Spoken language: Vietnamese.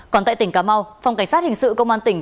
còn tại tỉnh cà mau phòng cảnh sát hình sự công an tỉnh